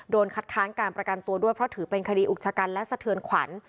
คัดค้านการประกันตัวด้วยเพราะถือเป็นคดีอุกชะกันและสะเทือนขวัญ